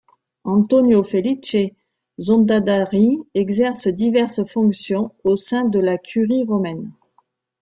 Antonio Felice Zondadari exerce diverses fonctions au sein de la Curie romaine.